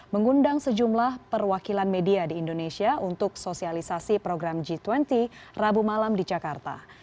mengundang sejumlah perwakilan media di indonesia untuk sosialisasi program g dua puluh rabu malam di jakarta